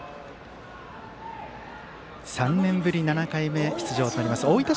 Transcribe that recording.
３年ぶり７回目の出場となります大分